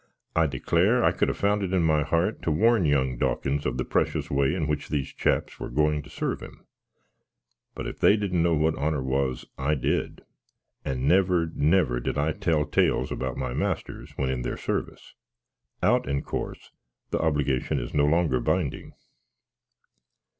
I declare I could have found it in my heart to warn young Dawkins of the precious way in which these chaps were going to serve him. But if they didn't know what honour was, I did; and never, never did I tell tails about my masters when in their sarvice out, in cors, the hobligation is no longer binding.